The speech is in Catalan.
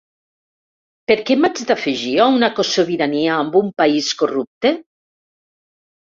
Per què m’haig d’afegir a una cosobirania amb un país corrupte?